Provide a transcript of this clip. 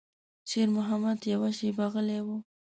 شېرمحمد يوه شېبه غلی و.